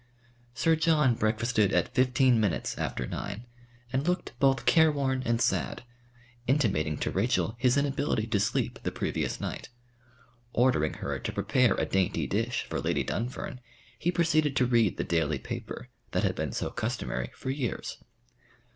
Sir John breakfasted at fifteen minutes after nine, and looked both careworn and sad, intimating to Rachel his inability to sleep the previous night. Ordering her to prepare a dainty dish for Lady Dunfern, he proceeded to read the daily paper, that had been so customary for years.